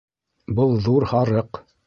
Был ҙур һарыҡ.